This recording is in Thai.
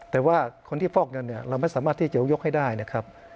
แต่ว่าคนที่ฟอกเงินเราไม่สามารถที่จะยกให้ได้นะครับ